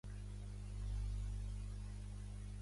«sloz», i per dir «adéu», «zwvf».